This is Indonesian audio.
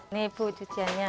ini bu cuciannya